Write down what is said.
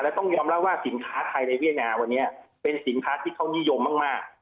ต้องยอมรับว่าสินค้าไทยในเวียดนามวันนี้เป็นสินค้าที่เขานิยมมาก